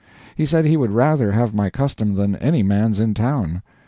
He said he would rather have my custom than any man's in town.